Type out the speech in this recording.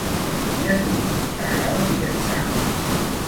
I a tu, t'agrada viatjar?